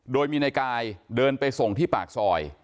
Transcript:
โดยมีนายกายเดินไปส่งที่ปากซอย